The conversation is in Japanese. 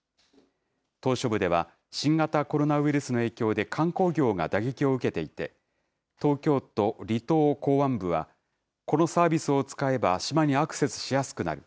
島しょ部では、新型コロナウイルスの影響で観光業が打撃を受けていて、東京都離島港湾部はこのサービスを使えば、島にアクセスしやすくなる。